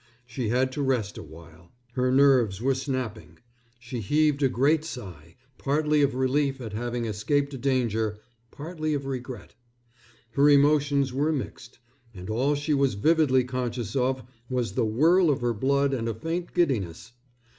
She had to rest a while. Her nerves were snapping. She heaved a great sigh, partly of relief at having escaped a danger, partly of regret. Her emotions were mixed, and all she was vividly conscious of was the whirl of her blood and a faint giddiness.